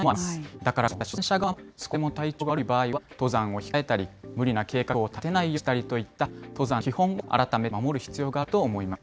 だからこそ、私たち登山者側も、少しでも体調が悪い場合は登山を控えたり、無理な計画を立てないようにしたりといった登山の基本を改めて守る必要があると思います。